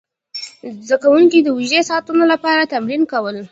زده کوونکي د اوږدو ساعتونو لپاره تمرین کول.